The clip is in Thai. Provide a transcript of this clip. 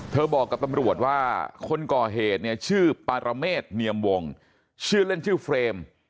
บอกกับตำรวจว่าคนก่อเหตุเนี่ยชื่อปารเมษเนียมวงชื่อเล่นชื่อเฟรม